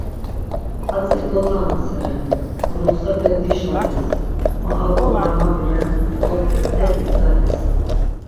Hatzi dotanaseren murutsxepe dijvales, ma hako var mabiren, bozope mtel igzales.